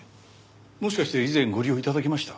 もしかして以前ご利用頂きました？